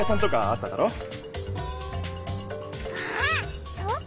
あっ。